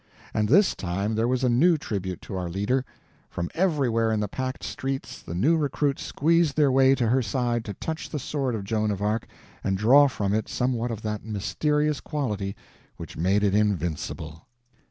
And this time there was a new tribute to our leader. From everywhere in the packed streets the new recruits squeezed their way to her side to touch the sword of Joan of Arc, and draw from it somewhat of that mysterious quality which made it invincible.